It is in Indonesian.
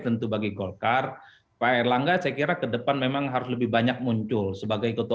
tentu bagi golkar pak erlangga saya kira kedepan memang harus lebih banyak muncul sebagai ketua